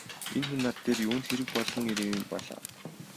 Энэ хүн над дээр юунд хэрэг болгон ирээ юм бол оо!